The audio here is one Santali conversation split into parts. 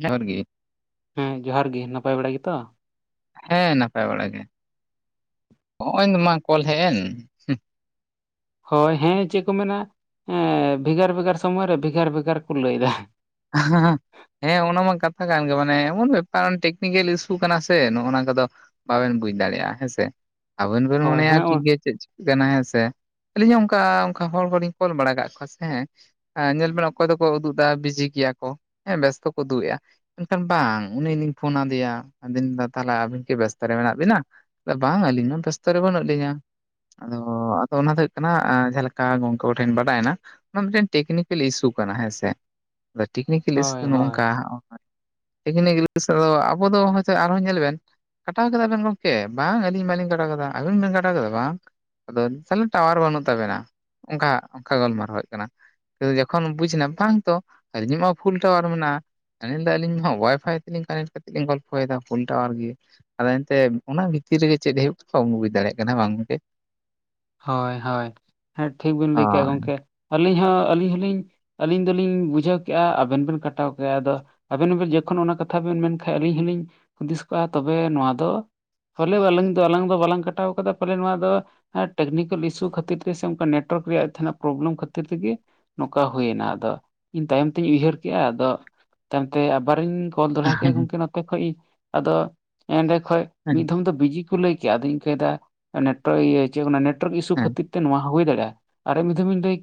ᱡᱚᱦᱟᱨ ᱜᱤ ᱾ ᱦᱮᱸ ᱡᱚᱦᱟᱨ ᱜᱮ, ᱱᱟᱯᱟᱭ ᱵᱟᱲᱟ ᱜᱮᱛᱚ? ᱦᱮᱸ ᱱᱟᱯᱟᱭ ᱵᱟᱲᱟ ᱜᱮ, ᱦᱚᱜᱼᱚᱭ ᱢᱟ ᱠᱚᱞ ᱦᱮᱡ ᱮᱱ! ᱦᱳᱭ ᱦᱮᱸ ᱪᱮᱜ ᱠᱚ ᱢᱮᱱᱟ! ᱮᱸᱻ ᱵᱷᱮᱜᱟᱨ ᱵᱷᱮᱜᱟᱨ ᱥᱚᱢᱚᱭ ᱨᱮ ᱵᱷᱮᱜᱟᱨ ᱵᱷᱮᱜᱟᱨ ᱠᱚ ᱞᱟᱹᱭᱮᱫᱟ ᱾ ᱟᱜ ᱦᱟᱸᱦᱟᱸ ᱾ ᱦᱮᱸ ᱚᱱᱟ ᱢᱟ ᱠᱟᱛᱷᱟ ᱠᱟᱱ ᱜᱮ ᱢᱟᱱᱮ ᱮᱢᱚᱱ ᱵᱮᱯᱟᱱ ᱴᱮᱠᱱᱤᱠᱮᱞ ᱤᱥᱩ ᱠᱟᱱᱟ ᱥᱮ ᱱᱚᱜᱼᱚ ᱱᱚᱣᱟ ᱠᱚᱫᱚ ᱵᱟᱵᱮᱱ ᱵᱩᱡ ᱫᱟᱲᱮᱭᱟᱜᱼᱟ, ᱦᱮᱸᱥᱮ ᱾ ᱟᱵᱮᱱ ᱵᱮᱱ ᱦᱳᱭ ᱢᱚᱱᱮᱭᱟ ᱦᱳᱭ ᱴᱷᱤᱠ ᱦᱳᱭ ᱜᱮᱭᱟ ᱪᱮᱫ ᱠᱟᱱᱟ ᱦᱮᱸ ᱥᱮ, ᱟᱹᱞᱤᱧ ᱦᱚᱸ ᱚᱝᱠᱟ ᱚᱝᱠᱟ ᱦᱚᱲ ᱠᱚᱞᱤᱧ ᱠᱚᱞ ᱵᱟᱲᱟ ᱠᱟᱜ ᱠᱚᱣᱟ ᱥᱮ ᱦᱮᱸ ᱾ ᱮᱸ ᱧᱮᱞ ᱵᱮᱱ ᱚᱠᱚᱭ ᱫᱚᱠᱚ ᱩᱫᱩᱜ ᱫᱟ ᱵᱤᱡᱤ ᱜᱮᱭᱟ ᱠᱚ, ᱦᱮᱸ ᱵᱮᱥᱛᱚᱠᱚ ᱩᱫᱩᱜ ᱮᱜᱼᱟ ᱾ ᱢᱮᱱᱠᱷᱟᱱ ᱵᱟᱝ, ᱩᱱᱤ ᱱᱤᱧ ᱯᱷᱳᱱ ᱟᱫᱮᱭᱟ ᱟᱹᱫᱚᱧ ᱫᱟ ᱛᱟᱦᱚᱞᱮ ᱟᱹᱵᱤᱱ ᱠᱤ ᱵᱮᱥᱛᱚ ᱨᱮ ᱢᱮᱱᱟᱜ ᱵᱤᱱᱟ? ᱞᱮᱭᱟ ᱵᱟᱝ ᱟᱹᱞᱤᱧ ᱢᱟ ᱵᱮᱥᱛᱚ ᱨᱮ ᱵᱟᱹᱱᱩᱜ ᱞᱤᱧᱟᱹ ᱾ ᱟᱫᱚ ᱟᱫᱚ ᱚᱱᱟ ᱫᱚ ᱦᱩᱭᱩᱜ ᱠᱟᱱᱟ, ᱟᱸ ᱡᱟᱦᱟᱸ ᱞᱮᱠᱟ ᱜᱚᱝᱠᱮ ᱠᱚᱴᱷᱮᱱ ᱵᱟᱰᱟᱭᱮᱱᱟ, ᱚᱱᱟ ᱢᱤᱫᱴᱮᱱ ᱴᱮᱠᱱᱤᱠᱮᱞ ᱤᱥᱩ ᱠᱟᱱᱟ, ᱦᱮᱸᱥᱮ ᱾ ᱟᱫᱚ ᱴᱤᱠᱱᱤᱠᱮᱞ ᱤᱥᱩ ᱦᱳᱭ ᱫᱚ ᱱᱚᱜᱼᱚᱝᱠᱟ ᱦᱚᱜᱼᱚᱭ ᱴᱮᱠᱱᱤᱠᱮᱞ ᱤᱥᱩ ᱫᱚ ᱟᱵᱚ ᱫᱚ ᱦᱚᱭ ᱥᱮ ᱟᱨᱦᱚᱸ ᱧᱮᱞ ᱵᱮᱱ ᱠᱟᱴᱟᱣ ᱠᱮᱫᱟ ᱵᱮᱱ ᱜᱚᱝᱠᱮ? ᱵᱟᱝ, ᱟᱹᱞᱤᱧ ᱢᱟᱞᱤᱧ ᱠᱟᱴᱟᱣ ᱠᱮᱫᱟ, ᱟᱹᱵᱤᱱ ᱵᱮᱱ ᱠᱟᱴᱟᱣ ᱠᱮᱫᱟ ᱵᱟᱝ? ᱟᱫᱚ ᱛᱟᱞᱦᱮ ᱴᱟᱣᱟᱨ ᱵᱟᱹᱱᱩᱜ ᱛᱟᱵᱮᱱᱟ, ᱚᱝᱠᱟ ᱚᱝᱠᱟ ᱜᱟᱞᱢᱟᱨᱟᱣ ᱦᱩᱭᱩᱜ ᱠᱟᱱᱟ ᱾ ᱟᱫᱚ ᱡᱚᱠᱷᱚᱱ ᱵᱩᱡᱽ ᱮᱱᱟ ᱵᱟᱝ ᱛᱚ, ᱟᱞᱤᱧᱢᱟ ᱯᱷᱩᱞ ᱴᱟᱣᱟᱨ ᱢᱮᱱᱟᱜᱼᱟ ᱾ ᱦᱟᱹᱱᱤᱭ ᱞᱟᱹᱭ ᱫᱟ ᱟᱹᱞᱤᱧ ᱦᱚ ᱳᱣᱟᱭᱯᱷᱟᱭ ᱛᱮᱞᱤᱧ ᱠᱟᱱᱮᱴ ᱠᱟᱛᱮᱫ ᱞᱤᱧ ᱜᱚᱞᱯᱷᱚᱭᱮᱫᱟ ᱯᱷᱩᱞ ᱴᱟᱣᱟᱨ ᱜᱮᱭᱟ ᱾ ᱟᱫᱚ ᱮᱱᱛᱮ ᱚᱱᱟ ᱵᱷᱤᱛᱤᱨ ᱨᱮᱜᱮ ᱪᱮᱫ ᱦᱩᱭᱩᱜ ᱠᱚ ᱵᱟᱢ ᱵᱩᱡᱽ ᱫᱟᱲᱮᱭᱟᱜ ᱠᱟᱱᱟ ᱦᱮᱸ ᱵᱟᱝ ᱜᱚᱝᱠᱮ? ᱦᱚᱭ ᱦᱚᱭ, ᱦᱮᱸ ᱴᱷᱤᱠ ᱵᱤᱱ ᱞᱟᱹᱭ ᱠᱮᱜᱼᱟ ᱦᱳᱭ ᱜᱚᱝᱠᱮ ᱟᱹᱞᱤᱧ ᱦᱚᱸ ᱟᱹᱞᱤᱧ ᱦᱚᱞᱤᱧ ᱟᱹᱞᱤᱧ ᱫᱚᱞᱤᱧ ᱵᱩᱡᱷᱟᱹᱣ ᱠᱮᱜᱼᱟ ᱟᱵᱮᱱ ᱵᱮᱱ ᱠᱟᱴᱟᱣ ᱠᱮᱜᱼᱟ ᱟᱫᱚ ᱾ ᱟᱵᱮᱱ ᱦᱚᱸᱵᱮᱱ ᱡᱚᱠᱷᱚᱱ ᱚᱱᱟ ᱠᱟᱛᱷᱟ ᱵᱮᱱ ᱢᱮᱱ ᱠᱷᱟᱡ ᱟᱹᱞᱤᱧ ᱦᱚᱞᱤᱧ ᱦᱩᱫᱤᱥ ᱠᱚᱜᱼᱟ ᱛᱚᱵᱮ ᱱᱚᱣᱟ ᱫᱚ ᱯᱷᱚᱞᱮ ᱵᱟᱞᱟᱝ ᱫᱚ ᱟᱞᱟᱝ ᱫᱚ ᱵᱟᱞᱟᱝ ᱠᱟᱴᱟᱣ ᱠᱟᱫᱟ ᱯᱟᱞᱮᱱ ᱱᱚᱣᱟ ᱫᱚ ᱦᱮᱸ ᱴᱮᱠᱱᱤᱠᱮᱞ ᱤᱥᱩ ᱠᱷᱟᱹᱛᱤᱨ ᱛᱮ ᱥᱮ ᱚᱱᱠᱟ ᱱᱮᱴᱳᱣᱟᱨᱠ ᱨᱮᱭᱟᱜ ᱛᱷᱟᱱᱟᱜ ᱯᱨᱚᱵᱽᱞᱮᱢ ᱠᱷᱟᱹᱛᱤᱨ ᱛᱤᱜᱤ ᱱᱚᱠᱟ ᱦᱩᱭᱮᱱᱟ ᱟᱫᱚ, ᱤᱧ ᱛᱟᱭᱚᱢ ᱛᱤᱧ ᱩᱭᱦᱟᱹᱨ ᱠᱮᱜᱼᱟ ᱟᱫᱚ ᱛᱟᱭᱚᱢᱛᱮ ᱟᱵᱟᱨᱚᱧ ᱠᱚᱞ ᱫᱚᱲᱦᱟ ᱠᱮᱜᱼᱟ ᱜᱚᱝᱠᱮ ᱱᱚᱛᱮ ᱠᱷᱚᱡ ᱤ ᱟᱫᱚ ᱮᱸᱰᱮ ᱠᱷᱚᱡ ᱢᱤᱫ ᱫᱷᱚᱢ ᱫᱚ ᱵᱤᱡᱤ ᱠᱩ ᱞᱟᱹᱭ ᱠᱮᱜᱼᱟ ᱟᱫᱚᱧ ᱤᱝᱠᱟᱫᱟ ᱱᱮᱴᱚ ᱤᱭᱟᱹ ᱪᱮᱜ ᱠᱚᱱᱟ ᱱᱮᱴᱚᱨᱠ ᱤᱥᱩ ᱦᱮᱸ ᱠᱷᱟᱹᱛᱤᱨ ᱛᱮ ᱱᱚᱣᱟ ᱦᱩᱭ ᱫᱟᱲᱮᱭᱟᱜᱼᱟ ᱟᱨ ᱢᱤᱫ ᱫᱷᱚᱢ ᱤᱧ ᱞᱟᱹᱭ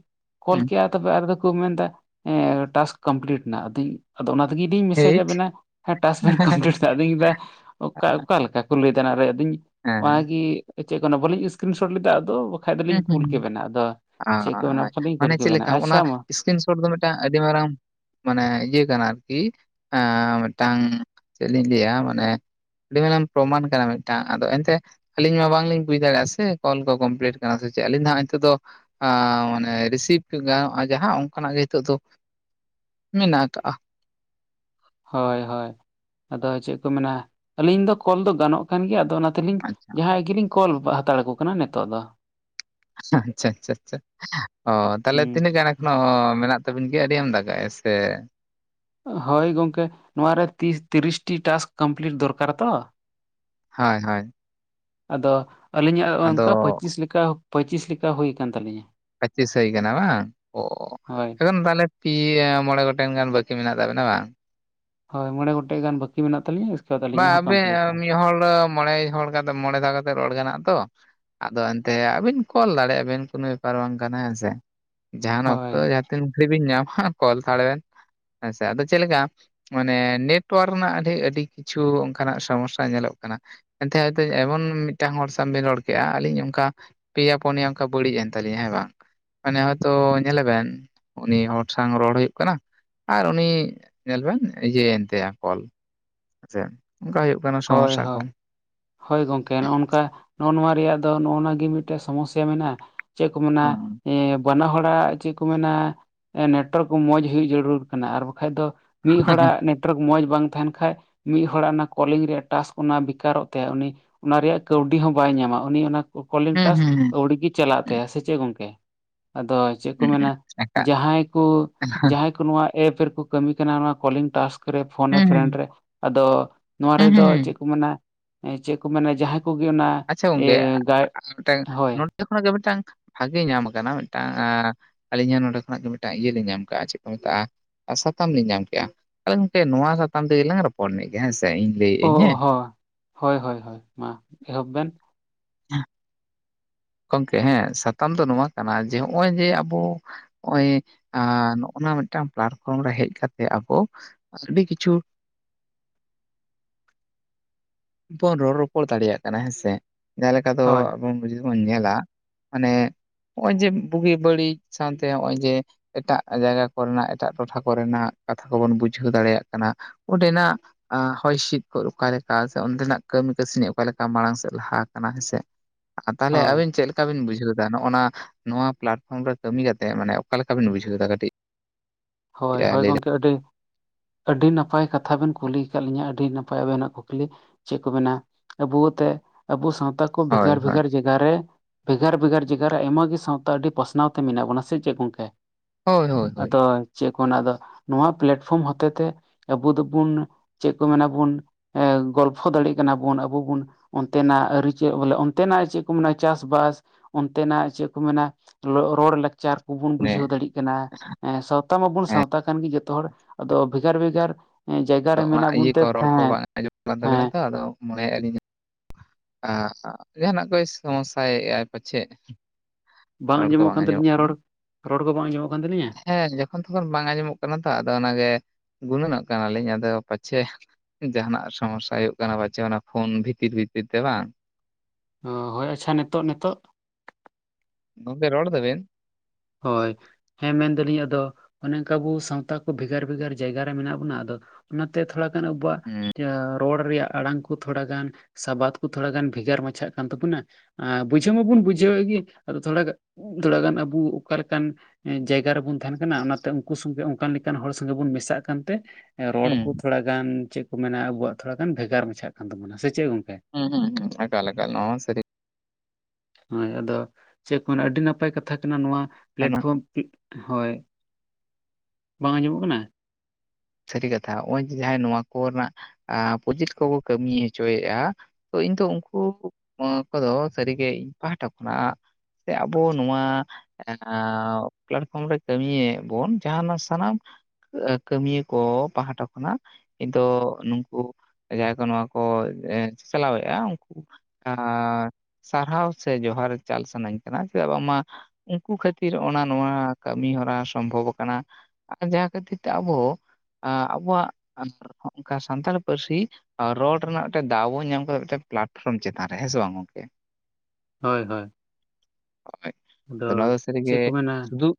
ᱠᱚᱞ ᱦᱩᱸ ᱠᱮᱜᱼᱟ ᱛᱟᱵᱮ ᱟᱨ ᱫᱚᱠᱚ ᱢᱮᱱᱫᱟ ᱮᱸᱻ ᱴᱟᱥᱠ ᱠᱚᱢᱯᱞᱤᱴ ᱱᱟ ᱟᱫᱚᱧ ᱟᱫᱚ ᱚᱱᱟ ᱛᱤᱜᱤ ᱫᱤᱧ ᱢᱮᱥᱮᱡ ᱴᱷᱤᱠ ᱟᱜ ᱵᱮᱱᱟ ᱦᱮᱸ ᱴᱟᱥᱠ ᱵᱮᱱ ᱠᱚᱢᱯᱞᱤᱴ ᱛᱟᱜ ᱫᱩᱧ ᱫᱟ ᱚᱠᱟ ᱚᱠᱟ ᱞᱮᱠᱟ ᱠᱚ ᱞᱟᱹᱭᱫᱟ ᱚᱱᱟᱨᱮ ᱟᱫᱩᱧ ᱦᱮᱸ ᱚᱣᱟᱜᱤ ᱮ ᱪᱮᱜ ᱠᱚ ᱚᱱᱟ ᱵᱚᱞᱤᱧ ᱤᱥᱠᱨᱤᱱ ᱥᱚᱴ ᱞᱤᱫᱟ ᱟᱫᱚ ᱠᱷᱟᱡ ᱫᱚᱞᱤᱧ ᱦᱩᱸ ᱦᱩᱸ ᱠᱩᱞ ᱠᱮᱵᱮᱱᱟ ᱟᱫᱚ ᱪᱮᱜ ᱠᱚ ᱢᱮᱱᱟ ᱟᱨ ᱵᱟᱠᱷᱟᱱ ᱫᱚᱧ ᱠᱩᱞ ᱢᱟᱱᱮ ᱪᱮᱫ ᱠᱮᱵᱮᱱᱟ, ᱞᱮᱠᱟ ᱚᱱᱟ ᱟᱪᱪᱷᱟ ᱢᱟ ᱾ [unintelligible] ᱫᱚ ᱢᱮᱫᱴᱟᱝ ᱟᱹᱰᱤ ᱢᱟᱨᱟᱢ ᱢᱟᱱᱮ ᱤᱭᱟᱹ ᱠᱟᱱᱟ ᱟᱨᱠᱤ ᱟᱸ ᱢᱮᱜᱴᱟᱝ ᱪᱮᱫ ᱞᱤᱧ ᱞᱟᱹᱭᱟ ᱢᱟᱱᱮ ᱟᱹᱰᱤ ᱢᱟᱨᱟᱝ ᱯᱨᱚᱢᱟᱱ ᱠᱟᱱᱟ ᱢᱤᱫᱴᱟᱝ ᱟᱫᱚ ᱮᱱᱛᱮ ᱟᱹᱞᱤᱧ ᱢᱟ ᱵᱟᱝᱞᱤᱧ ᱵᱩᱡᱽ ᱫᱟᱲᱮᱭᱟᱜᱼᱟ ᱥᱮ ᱠᱚᱞ ᱠᱚ ᱠᱚᱢᱯᱞᱤᱴ ᱾ ᱠᱟᱱᱟ ᱥᱮ ᱪᱮᱫ ᱟᱹᱞᱤᱧ ᱦᱟᱜ ᱱᱤᱛᱚᱜ ᱫᱚ ᱟᱻ ᱢᱟᱱᱮ ᱨᱤᱥᱤᱵᱷ ᱜᱟᱱᱚᱜᱼᱟ ᱡᱟᱦᱟᱸ ᱚᱱᱠᱟᱱᱟᱜ ᱜᱮ ᱱᱤᱛᱚᱜ ᱫᱚ ᱢᱮᱱᱟᱜ ᱟᱠᱟᱜᱼᱟ ᱦᱳᱭ ᱦᱳᱭ ᱟᱫᱚ ᱪᱮᱫ ᱠᱚ ᱢᱮᱱᱟ ᱟᱹᱞᱤᱧ ᱫᱚ ᱠᱚᱞ ᱫᱚ ᱜᱟᱱᱚᱜ ᱠᱟᱱ ᱜᱮᱭᱟ ᱟᱫᱚ ᱚᱱᱟ ᱛᱮᱞᱤᱧ ᱟᱪᱪᱷᱟ ᱡᱟᱦᱟᱸᱭ ᱜᱮᱞᱤᱧ ᱠᱚᱞ ᱦᱟᱛᱟᱲ ᱠᱚ ᱠᱟᱱᱟ ᱱᱤᱛᱚᱜ ᱫᱚ ᱟᱪᱪᱷᱟ ᱟᱪᱪᱷᱟ ᱚ ᱛᱟᱦᱚᱞᱮ ᱦᱩᱸ ᱛᱤᱱᱟᱹᱜ ᱜᱟᱱ ᱚᱱᱟ ᱦᱚ ᱢᱮᱱᱟᱜ ᱛᱟᱵᱤᱱ ᱜᱮᱭᱟ ᱟᱹᱰᱤ ᱟᱢᱫᱟ ᱜᱮ ᱥᱮ ᱦᱳᱭ ᱜᱚᱝᱠᱮ ᱱᱚᱣᱟ ᱨᱮ ᱛᱤᱥ ᱛᱤᱨᱤᱥᱴᱤ ᱴᱟᱥᱠ ᱠᱚᱢᱯᱞᱤᱴ ᱫᱚᱨᱠᱟᱨᱟ ᱛᱚ ᱦᱟᱭ ᱦᱟᱭ ᱟᱫᱚ ᱟᱹᱞᱤᱧᱟᱜ ᱚᱝᱠᱟ ᱯᱚᱸᱪᱤᱥ ᱞᱮᱠᱟ ᱯᱚᱸᱪᱤᱥ ᱞᱮᱠᱟ ᱦᱩᱭ ᱟᱠᱟᱱ ᱛᱟᱹᱞᱤᱧᱟ ᱯᱚᱸᱪᱤᱥ ᱦᱳᱭ ᱠᱟᱱᱟ ᱵᱟᱝ ᱚ ᱦᱳᱭ ᱮᱠᱷᱚᱱ ᱛᱟᱦᱚᱞᱮ ᱯᱤᱭᱟ ᱢᱚᱬᱮ ᱜᱚᱴᱮᱱ ᱜᱟᱱ ᱵᱟᱹᱠᱤ ᱢᱮᱱᱟᱜ ᱛᱟᱵᱮᱱᱟ ᱵᱟᱝ ᱦᱳᱭ ᱢᱚᱬᱮ ᱜᱚᱴᱮᱡ ᱜᱟᱱ ᱵᱟᱠᱤ ᱢᱮᱱᱟᱜ ᱛᱟᱞᱤᱧᱟᱹ ᱵᱟᱝ ᱟᱵᱮᱱ ᱢᱤᱫ ᱦᱚᱲ ᱢᱚᱬᱮ ᱦᱚᱲ ᱠᱟᱛᱮ ᱢᱚᱬᱮ ᱫᱷᱟᱣ ᱠᱟᱛᱮ ᱨᱚᱲ ᱜᱟᱱᱚᱜ ᱛᱚ ᱟᱫᱚ ᱮᱱᱛᱮ ᱟᱹᱵᱤᱱ ᱠᱚᱞ ᱫᱟᱲᱮᱭᱟᱜᱼᱟ ᱵᱤᱱ ᱠᱳᱱᱳ ᱵᱮᱯᱟᱨ ᱵᱟᱝ ᱠᱟᱱᱟ ᱦᱮᱸ ᱥᱮ ᱡᱟᱦᱟᱱ ᱦᱳᱭ ᱚᱠᱛᱚ ᱛᱤᱱ ᱜᱷᱟᱹᱲᱤ ᱵᱤᱱ ᱧᱟᱢᱟ ᱠᱚᱞ ᱦᱟᱛᱟᱲ ᱵᱮᱱ ᱦᱮᱸᱥᱮ ᱟᱫᱚ ᱪᱮᱫᱠᱟ ᱢᱟᱱᱮ ᱱᱮᱴᱣᱟᱨᱠ ᱨᱮᱱᱟᱜ ᱟᱹᱰᱤ ᱟᱹᱰᱤ ᱠᱤᱪᱷᱩ ᱚᱱᱠᱟᱱᱟᱜ ᱥᱚᱢᱚᱥᱥᱟ ᱧᱮᱞᱚᱜ ᱠᱟᱱᱟ ᱮᱱᱛᱮ ᱦᱚᱭᱛᱮ ᱮᱢᱚᱱ ᱢᱤᱫᱴᱟᱝ ᱦᱚᱲ ᱥᱟᱶ ᱵᱮᱱ ᱨᱚᱲ ᱠᱮᱜᱼᱟ ᱟᱹᱞᱤᱧ ᱚᱱᱠᱟ ᱯᱮᱭᱟ ᱯᱩᱱᱭᱟ ᱚᱱᱠᱟ ᱵᱟᱹᱲᱤᱡ ᱮᱱ ᱛᱟᱞᱤᱧᱟ ᱦᱮᱸ ᱵᱟᱝ ᱢᱟᱱᱮ ᱦᱚᱭᱛᱚ ᱧᱮᱞᱟᱵᱮᱱ ᱩᱱᱤ ᱦᱚᱲ ᱥᱟᱝ ᱨᱚᱲ ᱦᱩᱭᱩᱜ ᱠᱟᱱᱟ ᱟᱨ ᱩᱱᱤ ᱧᱮᱞ ᱵᱮᱱ ᱤᱭᱟᱹ ᱛᱟᱭᱟ ᱠᱚᱞ ᱚᱱᱠᱟ ᱦᱩᱭᱩᱜ ᱠᱟᱱᱟ ᱦᱳᱭ ᱥᱚᱢᱚᱥᱥᱟ ᱠᱚ ᱦᱳᱭ ᱦᱳᱭ ᱜᱚᱝᱠᱮ ᱱᱚᱜᱼ ᱱᱚᱝᱠᱟ ᱱᱚᱣᱟ ᱨᱮᱭᱟᱜ ᱫᱚ ᱱᱚᱜᱼ ᱱᱚᱣᱟ ᱜᱮ ᱢᱤᱫᱴᱮᱱ ᱥᱚᱢᱚᱥᱥᱟ ᱢᱮᱱᱟᱜᱼᱟ ᱪᱮᱫ ᱠᱚ ᱢᱮᱱᱟ ᱦᱮᱸ ᱮ ᱵᱟᱱᱟ ᱦᱚᱲᱟᱜ ᱪᱮᱫ ᱠᱚ ᱢᱮᱱᱟ ᱱᱮᱴᱚᱣᱟᱨᱠ ᱢᱚᱡᱽ ᱦᱩᱭ ᱡᱟᱹᱨᱩᱲ ᱠᱟᱱᱟ ᱟᱨ ᱵᱟᱠᱷᱟᱡ ᱫᱚ ᱢᱤᱫ ᱦᱚᱲᱟᱜ ᱱᱮᱴᱣᱟᱨᱠ ᱢᱚᱡᱽ ᱵᱟᱝ ᱛᱟᱦᱮᱱ ᱠᱷᱟᱡ ᱢᱤᱫ ᱦᱚᱲᱟᱜ ᱚᱱᱟ ᱠᱚᱞᱤᱝ ᱨᱮᱭᱟᱜ ᱴᱟᱥᱠ ᱚᱱᱟ ᱵᱮᱠᱟᱨᱚᱜ ᱛᱟᱭᱟ ᱩᱱᱤ ᱚᱱᱟ ᱨᱮᱭᱟᱜ ᱠᱟᱹᱣᱰᱤ ᱦᱚᱸ ᱵᱟᱭ ᱧᱟᱢᱟ ᱩᱱᱤ ᱚᱱᱟ ᱠᱚᱞᱤᱝ ᱴᱟᱥᱠ ᱦᱮᱸ ᱟᱹᱣᱲᱤ ᱜᱮ ᱪᱟᱞᱟᱜ ᱛᱟᱭᱟ ᱥᱮ ᱪᱮᱫ ᱜᱚᱝᱠᱮ ᱟᱫᱚ ᱪᱮᱫ ᱠᱚ ᱦᱮᱸ ᱢᱮᱱᱟ ᱦᱮᱸ ᱮᱠᱟᱞ ᱡᱟᱦᱟᱸᱭ ᱠᱚ ᱡᱟᱦᱟᱸᱭ ᱠᱚ ᱱᱚᱣᱟ ᱮᱯ ᱨᱮᱠᱚ ᱠᱟᱹᱢᱤ ᱠᱟᱱᱟ ᱱᱚᱣᱟ ᱠᱚᱞᱤᱝ ᱴᱟᱥᱠ ᱯᱷᱳᱱ ᱦᱮᱸ ᱯᱷᱨᱮᱱᱰ ᱦᱮᱸ ᱨᱮ ᱟᱫᱚ ᱱᱚᱣᱟ ᱦᱮᱸ ᱨᱮᱫᱚ ᱦᱮᱸ ᱦᱮᱸ ᱪᱮᱫ ᱠᱚ ᱢᱮᱱᱟ ᱪᱮᱫ ᱠᱚ ᱢᱮᱱᱟ ᱡᱟᱦᱟᱸ ᱡᱟᱦᱟ ᱠᱚᱜᱮ ᱚᱱᱟ ᱮ ᱜᱟᱭ ᱦᱳᱭ ᱡᱚᱛᱚ ᱠᱷᱚᱱᱟᱜ ᱜᱮ ᱢᱤᱫᱴᱟᱝ ᱵᱷᱟᱹᱜᱮ ᱧᱟᱢ ᱠᱟᱱᱟ ᱢᱤᱫᱴᱟᱝ ᱟᱹᱞᱤᱧᱟᱜ ᱱᱚᱰᱮ ᱠᱷᱚᱱᱟᱜ ᱜᱮ ᱢᱤᱫᱴᱟᱝ ᱤᱭᱟᱹ ᱞᱤᱧ ᱧᱟᱢ ᱠᱟᱜᱼᱟ ᱪᱮᱫ ᱠᱚ ᱢᱮᱛᱟᱜᱼᱟ ᱟᱥᱟᱛᱟᱢ ᱞᱤᱧ ᱧᱟᱢ ᱠᱮᱜᱼᱟ ᱟᱫᱚ ᱜᱚᱢᱠᱮ ᱱᱚᱣᱟ ᱥᱟᱛᱟᱢ ᱛᱮᱜᱮ ᱞᱟᱝ ᱨᱚᱯᱚᱲ ᱞᱮᱜᱮ ᱦᱮᱸ ᱥᱮ ᱤᱧ ᱞᱟᱹᱭᱮᱜ ᱚ ᱟᱹᱧ ᱦᱮᱸ ᱦᱚᱸ ᱦᱳᱭ ᱦᱳᱭ ᱦᱳᱭ ᱢᱟ ᱮᱦᱚᱵ ᱵᱮᱱ ᱡᱷᱟ ᱜᱚᱢᱠᱮ ᱦᱮᱸ ᱥᱟᱛᱟᱢ ᱫᱚ ᱱᱚᱣᱟ ᱠᱟᱱᱟ ᱡᱮ ᱱᱚᱜᱼᱚᱭ ᱡᱮ ᱟᱵᱚ ᱱᱚᱜᱼᱚᱭ ᱱᱚᱜᱼ ᱱᱟ ᱢᱤᱫᱴᱟᱝ ᱯᱞᱟᱴᱯᱷᱨᱚᱢ ᱨᱮ ᱦᱮᱡ ᱠᱟᱛᱮᱜ ᱟᱵᱚ ᱟᱹᱰᱤ ᱠᱤᱪᱷᱩ ᱱᱤᱛᱚᱜ ᱵᱚᱱ ᱨᱚᱲᱼ ᱨᱚᱯᱚᱲ ᱫᱟᱲᱮᱭᱟᱜ ᱠᱟᱱᱟ ᱦᱮᱸ ᱥᱮ ᱡᱟᱦᱟᱸ ᱞᱮᱠᱟ ᱫᱚ ᱦᱳᱭ ᱟᱵᱚ ᱡᱩᱫᱤ ᱵᱚᱱ ᱧᱮᱞᱟ ᱢᱟᱱᱮ ᱱᱚᱜᱼᱚᱭ ᱡᱮ ᱵᱩᱜᱤ ᱵᱟᱹᱲᱤᱡ ᱥᱟᱶᱛᱮ ᱱᱚᱜᱼᱚᱭ ᱡᱮ ᱮᱴᱟᱜ ᱡᱟᱭᱜᱟ ᱠᱚᱨᱮᱱᱟᱜ ᱮᱴᱟᱜ ᱴᱚᱴᱷᱟ ᱠᱚᱨᱮᱱᱟᱜ ᱠᱟᱛᱷᱟ ᱠᱚᱵᱚᱱ ᱵᱩᱡᱷᱟᱹᱣ ᱫᱟᱲᱮᱭᱟᱜ ᱠᱟᱱᱟ ᱚᱸᱰᱮᱱᱟᱜ ᱟ ᱦᱚᱭ ᱦᱤᱸᱥᱤᱫ ᱠᱷᱚᱡ ᱚᱠᱟᱨᱮ ᱠᱟᱥ ᱚᱱᱛᱮ ᱱᱟᱜ ᱠᱟᱹᱢᱤ ᱠᱟᱹᱥᱱᱤ ᱚᱠᱟ ᱞᱮᱠᱟ ᱢᱟᱲᱟᱝ ᱥᱮᱫ ᱞᱟᱦᱟ ᱟᱠᱟᱱᱟ ᱦᱮᱸ ᱥᱮ ᱛᱟᱦᱚᱞᱮ ᱦᱳᱭ ᱟᱵᱤᱱ ᱪᱮᱫ ᱞᱮᱠᱟ ᱪᱮᱫ ᱞᱮᱠᱟ ᱵᱤᱱ ᱵᱩᱡᱷᱟᱹᱣ ᱮᱫᱟ ᱱᱚᱜᱼ ᱚᱠᱟ ᱵᱤᱱ ᱵᱩᱡᱷᱟᱹᱣ ᱫᱟ ᱱᱚᱜ ᱱᱟ ᱯᱞᱟᱴᱯᱷᱚᱨᱚᱢ ᱨᱮ ᱠᱟᱹᱢᱤ ᱠᱟᱛᱮᱜ ᱢᱟᱱᱮ ᱚᱠᱟ ᱞᱮᱠᱟ ᱵᱤᱱ ᱵᱩᱡᱷᱟᱹᱣᱟ ᱠᱟᱹᱴᱤᱡ ᱦᱳᱭ ᱦᱳᱭ ᱞᱟᱹᱭ ᱞᱮ ᱜᱚᱢᱠᱮ ᱟᱹᱰᱤ ᱟᱹᱰᱤ ᱱᱟᱯᱟᱭ ᱠᱟᱛᱷᱟ ᱵᱤᱱ ᱠᱩᱞᱤ ᱟᱠᱟᱫ ᱞᱤᱧᱟᱹ ᱟᱹᱰᱤ ᱱᱟᱯᱟᱭ ᱟ. ᱵᱤᱱᱟᱜ ᱠᱩᱠᱞᱤ᱾ ᱪᱮᱫ ᱠᱚ ᱢᱮᱱᱟ ᱟ. ᱵᱩ ᱛᱮ ᱟ. ᱵᱩ ᱥᱟᱶᱛᱟ ᱠᱚ ᱦᱳᱭ ᱵᱷᱮᱜᱟᱨ ᱦᱳᱭ ᱵᱷᱮᱜᱟᱨᱼᱼᱼ ᱡᱟᱭᱜᱟ ᱨᱮ ᱵᱷᱮᱜᱟᱨ ᱵᱷᱮᱜᱟᱨ ᱡᱟᱭᱟᱨ ᱨᱮ ᱟᱭᱢᱟ ᱜᱮ ᱥᱟᱶᱛᱟ ᱟᱹᱰᱤ ᱯᱟᱥᱱᱟᱣ ᱛᱮ ᱢᱮᱱᱟᱜ ᱵᱚᱱᱟ ᱥᱮ ᱪᱮᱫ ᱜᱚᱝᱠᱮ? ᱦᱳᱭ ᱦᱳᱭ ᱦᱳᱭ ᱟᱫᱚ ᱪᱮᱫ ᱠᱚ ᱢᱮ ᱟᱫᱚ ᱱᱚᱣᱟ ᱯᱮᱞᱮᱴᱯᱷᱚᱨᱚᱢ ᱦᱚᱛᱮ ᱛᱮ ᱟ. ᱵᱚ ᱫᱚᱵᱚᱱᱼᱼᱼ ᱪᱮᱫ ᱠᱚ ᱢᱮᱱᱟ ᱵᱚᱱ ᱜᱚᱞᱯᱷᱚ ᱫᱟᱲᱮᱭᱟᱜ ᱠᱟᱱᱟ ᱵᱚᱱ ᱟᱵᱚ ᱵᱚᱱ᱾ ᱚᱱᱛᱮᱱᱟᱜ ᱟᱹᱨᱤᱪᱟᱹ ᱵᱚᱞᱮ ᱚᱱᱛᱮᱱᱟᱜ ᱪᱮᱫ ᱠᱚ ᱢᱮᱱᱟ ᱪᱟᱥᱵᱟᱥᱼᱼᱼ ᱚᱱᱛᱮᱱᱟᱜ ᱪᱮᱫ ᱠᱚ ᱢᱮᱱᱟ ᱨᱚᱲ ᱞᱟᱠᱪᱟᱨᱼᱼᱼ ᱟᱵᱚ ᱵᱚᱱ ᱚᱱᱮ ᱵᱩᱡᱷᱟᱹᱣ ᱫᱟᱲᱮᱭᱟᱜ ᱠᱟᱱᱟ ᱦᱮᱸ ᱥᱟᱶᱛᱟ ᱢᱟᱵᱚᱱ ᱦᱮᱸ ᱥᱟᱶᱛᱟ ᱠᱟᱱ ᱜᱮ ᱡᱚᱛᱚ ᱦᱚᱲ ᱟᱫᱚ ᱵᱷᱮᱜᱟᱨ ᱵᱷᱮᱜᱟᱨᱼᱼᱼ ᱟᱫᱚ ᱚᱱᱟ ᱤᱭᱟᱹ ᱠᱚ ᱨᱚᱲ ᱠᱚ ᱵᱟᱝ ᱟᱸᱡᱚᱢᱚᱜ ᱠᱟᱱ ᱛᱟ. ᱵᱤᱱᱟ ᱦᱮᱸ ᱛᱚ ᱟᱫᱚᱼᱼᱼ [inaudible] ᱡᱟᱦᱟᱱᱟᱜ ᱠᱚᱭ ᱥᱚᱢᱚᱥᱥᱟᱭᱮᱫ ᱟᱭ ᱯᱟᱪᱷᱮᱫ ᱵᱟᱝ ᱨᱚᱲ ᱠᱚ ᱟᱸᱡᱚᱢᱚᱜ ᱠᱟᱱ ᱛᱟᱹᱞᱤᱧᱟ ᱠᱟᱱᱟ ᱨᱚᱲ ᱨᱚᱲ ᱠᱚ ᱵᱟᱝ ᱟᱸᱡᱚᱢᱚᱜ ᱠᱟᱱ ᱛᱟᱹᱞᱤᱧᱟ? ᱦᱮᱸ ᱡᱚᱠᱷᱚᱱ ᱛᱚᱠᱷᱚᱱ ᱵᱟᱝ ᱟᱸᱡᱚᱢᱚᱜ ᱠᱟᱱᱟ ᱛᱚ ᱟᱫᱚ ᱚᱱᱟᱜᱮ ᱜᱩᱱᱟᱹᱱᱚᱜ ᱠᱟᱱᱟᱞᱤᱧ ᱟᱫᱚ ᱯᱟᱪᱷᱮᱼᱼᱼ ᱡᱟᱦᱟᱱᱟᱜ ᱥᱚᱢᱚᱥᱟ ᱦᱩᱭᱩᱜ ᱠᱟᱱᱟ ᱵᱟᱪᱮ ᱚᱱᱟ ᱯᱷᱳᱱ ᱵᱷᱤᱛᱤᱨ ᱵᱷᱤᱛᱤᱨ ᱛᱮ ᱵᱟᱝ? ᱚ ᱦᱳᱭ ᱟᱪᱪᱷᱟ ᱱᱤᱛᱚᱜ ᱱᱤᱛᱚᱜ? ᱜᱚᱝᱠᱮ ᱨᱚᱲ ᱫᱟᱹᱵᱤᱱ? ᱦᱳᱭ᱾ ᱦᱮᱸ ᱢᱮᱱ ᱫᱟᱹᱞᱤᱧ ᱟᱫᱚ ᱚᱱᱮ ᱚᱱᱠᱟ ᱟᱵᱚ ᱥᱟᱶᱛᱟ ᱠᱚ ᱵᱷᱮᱜᱟᱨ ᱵᱷᱮᱜᱟᱨ ᱡᱟᱭᱜᱟ ᱨᱮ ᱢᱮᱱᱟᱜ ᱵᱚᱱᱟ ᱟᱫᱚᱼᱼᱼ ᱚᱱᱟᱛᱮ ᱛᱷᱚᱲᱟ ᱜᱟᱱ ᱟᱵᱚᱣᱟᱜᱼᱼᱼ ᱦᱩᱸ ᱨᱚᱲ ᱨᱮᱭᱟᱜ ᱟᱲᱟᱝ ᱠᱚ ᱛᱷᱚᱲᱟ ᱜᱟᱱ ᱥᱟᱵᱟᱫ ᱠᱚ ᱛᱷᱚᱲᱟ ᱜᱟᱱ ᱵᱷᱮᱜᱟᱨ ᱢᱟᱪᱷᱟᱜ ᱠᱟᱱ ᱛᱟᱵᱚᱱᱟ᱾ ᱵᱩᱡᱷᱟᱹᱣ ᱢᱟᱵᱚᱱ ᱵᱩᱡᱷᱟᱹᱣᱮᱫ ᱜᱮ ᱟᱫᱚ ᱛᱷᱚᱲ ᱛᱷᱚᱲᱟ ᱜᱟᱱ ᱟᱵᱚᱼᱼᱼ ᱚᱠᱟ ᱞᱮᱠᱟᱱ ᱡᱟᱭᱜᱟ ᱨᱮᱵᱚᱱ ᱛᱟᱦᱮᱱ ᱠᱟᱱᱟ ᱚᱱᱟᱛᱮ ᱩᱱᱠᱩ ᱥᱚᱸᱜᱮ ᱚᱱᱠᱟᱱ ᱞᱮᱠᱟᱱ ᱦᱚᱲ ᱥᱚᱸᱜᱮ ᱵᱚᱱ ᱢᱮᱥᱟᱜ ᱠᱟᱱᱛᱮᱼᱼᱼ ᱨᱚᱲ ᱦᱩᱸ ᱠᱚ ᱛᱷᱚᱲᱟ ᱜᱟᱱ ᱪᱮᱫ ᱠᱚ ᱢᱮᱱᱟ ᱟᱵᱚᱣᱟᱜ ᱛᱷᱚᱲᱟ ᱜᱟᱱ ᱵᱷᱮᱜᱟᱨ ᱢᱟᱪᱷᱟᱜ ᱠᱟᱱ ᱛᱟᱵᱚᱱᱟ ᱥᱮ ᱪᱮᱫ ᱜᱚᱝᱠᱮ? ᱦᱩᱸ ᱦᱩᱸ ᱦᱩᱸ ᱮᱠᱟᱞ ᱮᱠᱟᱞ ᱥᱟ. ᱨᱤᱼᱼᱼ ᱦᱳᱭ ᱟᱫᱚ ᱪᱮᱫ ᱠᱚ ᱢᱮᱱᱟ ᱟᱹᱰᱤ ᱱᱟᱯᱟᱭ ᱠᱟᱛᱷᱟ ᱠᱟᱱᱟ ᱱᱚᱣᱟ ᱠᱟᱱᱟ ᱯᱞᱮᱴᱯᱷᱚᱨᱚᱢᱼᱼᱼ ᱦᱳᱭ ᱵᱟᱝ ᱟᱸᱡᱚᱢᱚᱜ ᱠᱟᱱᱟ? ᱥᱟᱹᱨᱤ ᱠᱟᱛᱷᱟ ᱱᱚᱜ-ᱚᱭ ᱡᱮ ᱡᱟᱦᱟᱸᱭ ᱱᱚᱣᱟ ᱠᱚᱨᱮᱱᱟᱜ ᱯᱨᱚᱡᱮᱠᱴ ᱠᱚᱠᱚ ᱠᱟᱹᱢᱤ ᱦᱚᱪᱚᱭᱮᱫᱼᱟᱼᱼ ᱛᱚ ᱤᱧ ᱫᱚ ᱩᱱᱠᱩ ᱠᱚᱫᱚ ᱥᱟᱹᱨᱤᱜᱮ ᱤᱧ ᱯᱟᱦᱴᱟ ᱠᱷᱚᱱᱟᱜᱼᱼᱼ ᱥᱮ ᱟᱵᱚ ᱱᱚᱣᱟᱼᱼᱼ ᱯᱞᱮᱟᱴᱯᱷᱚᱨᱚᱢ ᱨᱮ ᱠᱟᱹᱢᱤᱭᱮᱫ ᱵᱚᱱ ᱡᱟᱦᱟᱱᱟᱜ ᱥᱟᱱᱟᱢ ᱠᱟᱹᱢᱤᱭᱟᱼᱼᱼ ᱠᱚ ᱯᱟᱦᱴᱟ ᱠᱷᱚᱱᱟᱜ ᱤᱧᱫᱚ ᱱᱩᱝᱠᱩᱼᱼᱼ ᱡᱟᱦᱟᱸᱭ ᱠᱚ ᱱᱚᱣᱟ ᱠᱚ ᱪᱟᱞᱟᱣᱮᱫᱼᱟ ᱩᱱᱠᱩᱼᱼᱼ ᱥᱟᱨᱦᱟᱣ ᱥᱮ ᱡᱚᱦᱟᱨ ᱪᱟᱞ ᱥᱟᱱᱟᱧ ᱠᱟᱱᱟ ᱪᱮᱫᱟᱜ ᱵᱟᱝᱢᱟᱼᱼᱼ ᱩᱱᱠᱩ ᱠᱷᱟᱹᱛᱤᱨ ᱚᱱᱟ ᱱᱚᱣᱟ ᱠᱟᱹᱢᱤᱦᱚᱨᱟ ᱥᱚᱢᱵᱷᱚᱵ ᱟᱠᱟᱱᱟ ᱟᱨ ᱡᱟᱦᱟᱸ ᱠᱷᱟᱹᱛᱤᱨ ᱛᱮ ᱟᱵᱚᱼᱼᱼ ᱟᱵᱚᱣᱟᱜ ᱚᱱᱠᱟ ᱥᱟᱱᱛᱟᱲ ᱯᱟᱹᱨᱥᱤᱼᱼᱼ ᱟᱨ ᱨᱚᱲ ᱨᱮᱱᱟᱜ ᱢᱤᱫᱴᱟ. ᱝ ᱫᱟᱣ ᱵᱚᱱ ᱧᱟᱢ ᱠᱟᱫᱟ ᱢᱤᱫᱴᱟ. ᱝ ᱯᱞᱮᱴᱯᱷᱨᱚᱢ ᱪᱮᱛᱟᱱ ᱨᱮ ᱦᱮᱸ ᱥᱮ ᱵᱟᱝ ᱜᱚᱝᱠᱮ? ᱦᱳᱭ ᱦᱳᱭ ᱟᱫᱚ ᱱᱚᱣᱟ ᱫᱚ ᱥᱟᱹᱨᱤ ᱜᱮ ᱪᱮᱫ ᱠᱚ ᱢᱮᱱᱟ ᱥᱩᱫᱩᱜᱼᱼᱼ